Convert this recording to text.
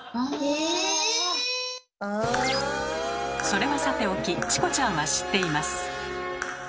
それはさておきチコちゃんは知っています。